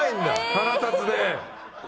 腹立つね。